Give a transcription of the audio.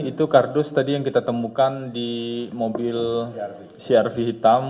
itu kardus tadi yang kita temukan di mobil crv hitam